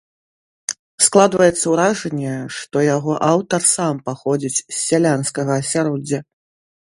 Складваецца ўражанне, што яго аўтар сам паходзіць з сялянскага асяроддзя.